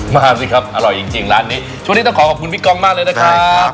มาสิครับอร่อยจริงร้านนี้ช่วงนี้ต้องขอขอบคุณพี่ก้องมากเลยนะครับ